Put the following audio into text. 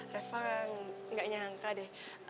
reva gak nyangka deh